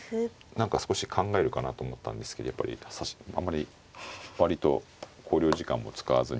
何か少し考えるかなと思ったんですけどやっぱりあんまり割と考慮時間も使わずに。